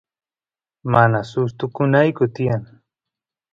mana sustukunayku tiyan